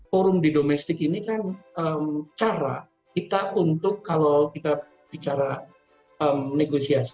forum di domestik ini kan cara kita untuk kalau kita bicara negosiasi